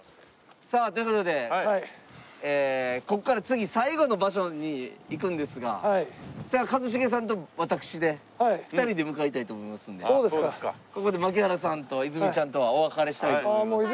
さあという事でここから次最後の場所に行くんですが一茂さんと私で２人で向かいたいと思いますんでここで槙原さんと泉ちゃんとはお別れしたいと思います。